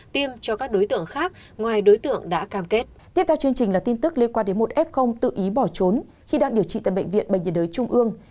tiếp theo chương trình là tin tức liên quan đến một f tự ý bỏ trốn khi đang điều trị tại bệnh viện bệnh viện đới trung ương